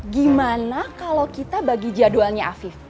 gimana kalau kita bagi jadwalnya afif